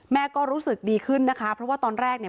ก็รู้สึกดีขึ้นนะคะเพราะว่าตอนแรกเนี่ย